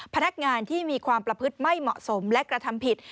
พนักงานที่มีความประพฤติไม่เหมาะสมและกระทำผิด